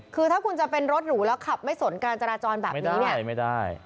คือถ้าคุณจะเป็นรถหรูแล้วขับไม่สนการจราจรแบบนี้เนี่ย